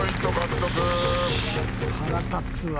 腹立つわ。